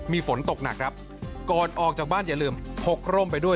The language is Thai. มีฝนตกหนักครับก่อนออกจากบ้านอย่าลืมพกร่มไปด้วย